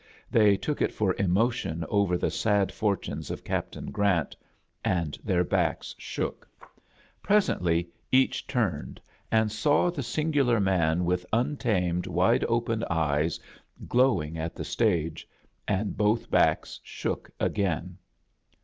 They took it for raootion over the sad fortunes of Captain Grant, and their backs shook. Presently #=^ A JOURNEY IN SEARCH OF CHRISTMAS each turned, and saw the singular man with untamed, wide open eyes gloiring at the stage, and both backs shook again.